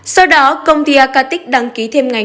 sau đó công ty arkatic đăng ký thêm ngành